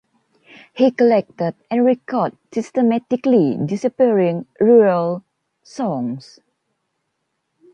He collected and record systematically disappearing rural songs.